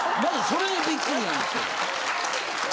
それにびっくりなんですけど。